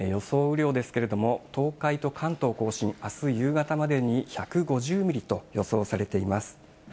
雨量ですけれども、東海と関東甲信、あす夕方までに１５０ミリと予想されています。